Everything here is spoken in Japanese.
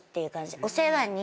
お世話に。